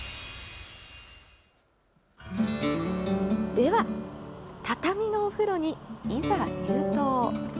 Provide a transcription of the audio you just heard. では畳のお風呂に、いざ入湯。